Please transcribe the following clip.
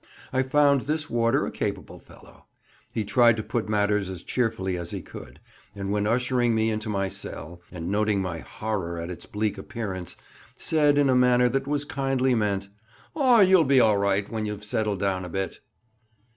I found this warder a capital fellow. He tried to put matters as cheerfully as he could; and when ushering me into my cell, and noting my horror at its bleak appearance, said in a manner that was kindly meant, "Oh! you'll be all right when you've settled down a bit."